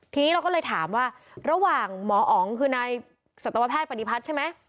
ทีนี้เราก็เลยถามว่าระหว่างหมออ๋องคือนายสัตวแพทย์ปฏิพัฒน์ใช่ไหม